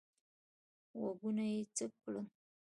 غوږونه یې څک کړل.